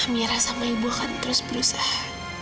mira sama ibu akan terus berusaha